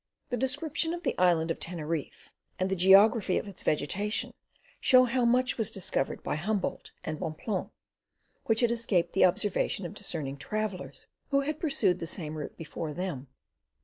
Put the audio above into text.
The description of the Island of Teneriffe and the geography of its vegetation, show how much was discovered by Humboldt and Bonpland which had escaped the observation of discerning travellers who had pursued the same route before them.